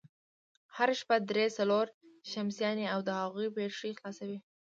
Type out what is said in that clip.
هره شپه درې، څلور شمسيانې او د هغوی بېټرۍ خلاصوي،